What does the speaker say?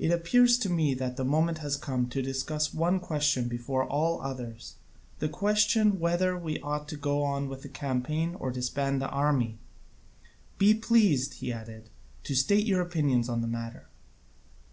It appears to me that the moment has come to discuss one question before all others, the question whether we ought to go on with the campaign or disband the army. Be pleased," he added, "to state your opinions on the matter."